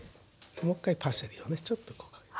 もう１回パセリをちょっとこうかけて。